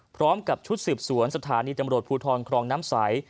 พร้อมกับชุดสืบสวนสถานีตำรวจภูทรครองน้ำใส